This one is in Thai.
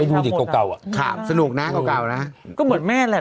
ไม่รู้จริงเก่าเก่าอ่ะขามสนุกน่ะเก่าเก่าน่ะก็เหมือนแม่แหละ